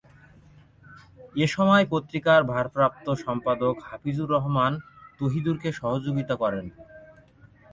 এ সময় পত্রিকার ভারপ্রাপ্ত সম্পাদক হাফিজুর রহমান তহিদুরকে সহযোগিতা করেন।